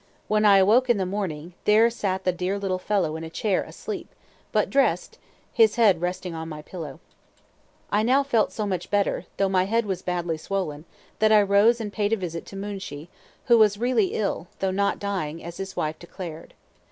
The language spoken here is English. When I awoke in the morning, there sat the dear little fellow in a chair asleep, but dressed, his head resting on my pillow. I now felt so much better, though my head was badly swollen, that I rose and paid a visit to Moonshee, who was really ill, though not dying, as his wife declared.